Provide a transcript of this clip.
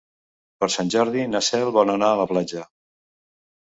Per Sant Jordi na Cel vol anar a la platja.